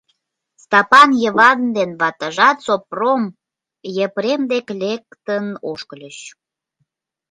Стапан Йыван ден ватыжат Сопром Епрем дек лектын ошкыльыч.